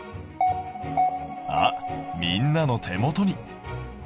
あっみんなの手元に。